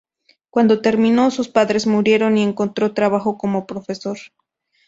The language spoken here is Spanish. Cuando terminó, sus padres murieron, y encontró trabajo como profesor.